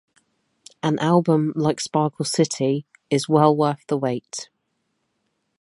An album like "Sparkle City" is well worth the wait.